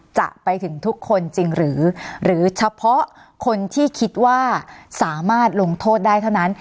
จะไปถึงทุกคนจริงหรือหรือเฉพาะคนที่คิดว่าสามารถลงโทษได้เท่านั้น